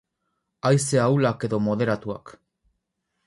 Haize ahulak edo moderatuak.